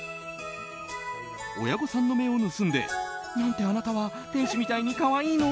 親御さんの目を盗んで何てあなたは天使みたいに可愛いの！